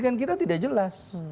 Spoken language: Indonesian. karena itu tidak jelas